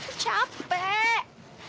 aduh aduh aduh aduh